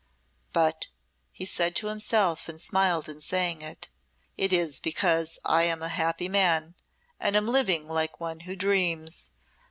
"But," he said to himself, and smiled in saying it, "it is because I am a happy man, and am living like one who dreams.